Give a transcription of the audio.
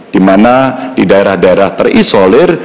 dimana di daerah daerah terisolir